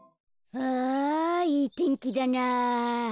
あいいてんきだな。